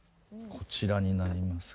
こちらになります。